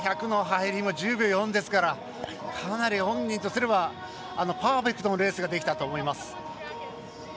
１００の入りも１０秒４ですからかなり本人とすればパーフェクトなレースができたと思います。